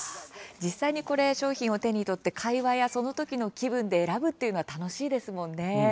実際に商品を手に取って会話やそのときの気分で選ぶというのは楽しいですものね。